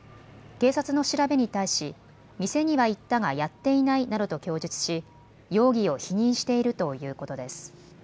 警察の調べに対し店には行ったがやっていないなどと供述し、容疑を否認しているということです。